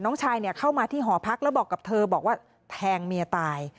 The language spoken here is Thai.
น้องชายเข้ามาที่หอพักแล้วบอกกับเธอบอกว่าแทงเมียตาย